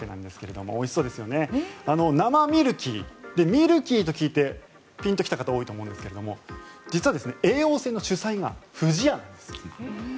ミルキーと聞いてピンと来た方は多いと思うんですが実は叡王戦の主催が不二家なんですよ。